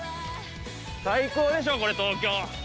最高でしょ、これ、東京。